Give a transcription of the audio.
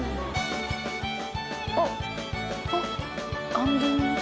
あっあっ。